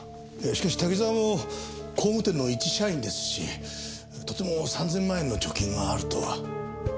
しかし滝沢も工務店の一社員ですしとても３千万円の貯金があるとは。